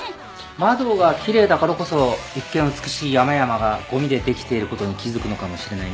窓が奇麗だからこそ一見美しい山々がごみでできていることに気付くのかもしれないね。